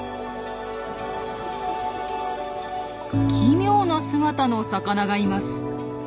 奇妙な姿の魚がいます。